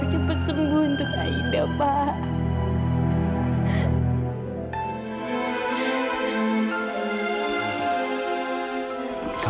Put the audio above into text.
tidak aku tidak apa apa